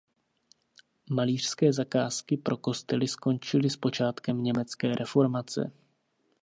Malířské zakázky pro kostely skončily s počátkem německé reformace.